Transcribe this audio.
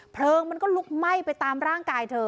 เพลิงมันก็ลุกไหม้ไปตามร่างกายเธอ